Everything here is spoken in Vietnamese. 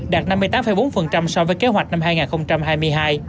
đạt năm mươi tám bốn so với kế hoạch năm hai nghìn hai mươi hai